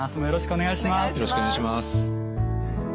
よろしくお願いします。